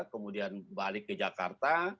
kemudian balik ke jakarta